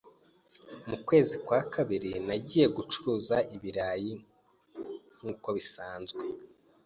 Mu kwezi kwa kabiri, nagiye gucuruza ibirayi nk’uko bisanzwe